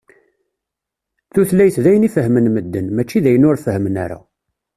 Tutlayt d ayen i fehhmen medden, mačči d ayen ur fehhmen ara.